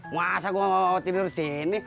masa gua mau tidur di sini